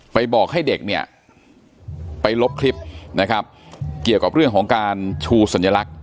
บอกให้เด็กเนี่ยไปลบคลิปนะครับเกี่ยวกับเรื่องของการชูสัญลักษณ